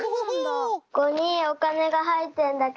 ここにおかねがはいってるんだけど。